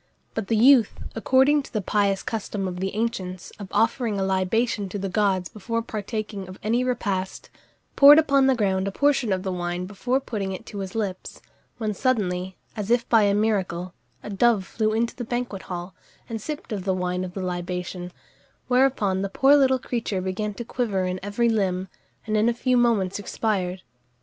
But the youth according to the pious custom of the ancients, of offering a libation to the gods before partaking of any repast poured upon the ground a portion of the wine before putting it to his lips, when suddenly, as if by a miracle, a dove flew into the banquet hall, and sipped of the wine of the libation; whereupon the poor little creature began to quiver in every limb, and in a few moments expired.